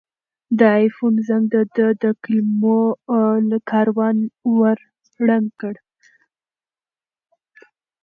د آیفون زنګ د ده د کلمو کاروان ور ړنګ کړ.